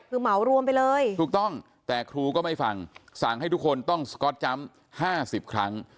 คือเหมารวมไปเลยถูกต้องแต่ครูก็ไม่ฟังสั่งให้ทุกคนต้องสก๊อตจำ๕๐ครั้ง